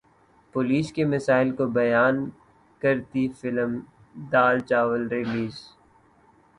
police کے مسائل کو بیان کرتی فلم دال چاول ریلیز